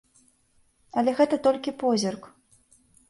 Але гэта толькі позірк.